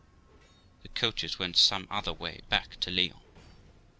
The coaches went some other way back to Lyons.